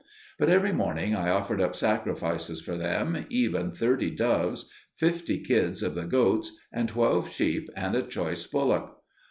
But every morning I offered up sacrifices for them, even thirty doves, fifty kids of the goats, and twelve sheep, and a choice bullock.